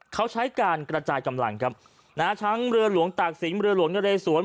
เขาใช้การกระจายกำลังครับนะฮะทั้งเรือหลวงตากศิลปเรือหลวงนเรสวน